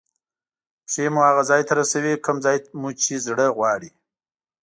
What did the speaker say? پښې مو هغه ځای ته رسوي کوم ځای مو چې زړه غواړي.